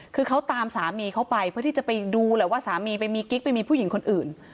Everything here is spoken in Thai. คือเขาตามสามีเขาไปเพื่อที่จะไปดูแหละว่าสามีไปมีกิ๊กไปมีผู้หญิงคนอื่น